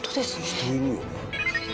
人いるよね。